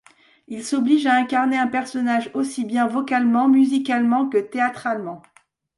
Il s'oblige à incarner un personnage aussi bien vocalement, musicalement que théâtralement.